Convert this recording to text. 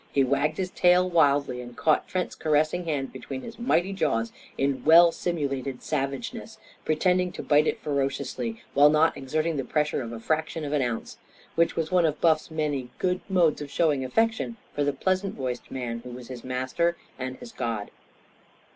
He wagged his tail wildly and caught Trent's caressing hand between his mighty jaws in well simulated savageness, pretending to bite it ferociously, while not exerting the pressure of a fraction of an ounce. Which was one of Buff's many modes of showing affection for the pleasant voiced man who was his master and his god.